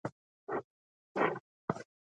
عضوي سرې د خاورې طبعي حاصلخېزي ساتي.